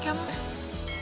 gak mau rim ya